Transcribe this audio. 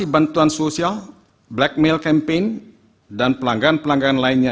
blackmail campaign dan pelanggaran pelanggaran lainnya